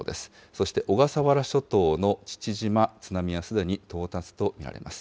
そして小笠原諸島の父島、津波はすでに到達と見られます。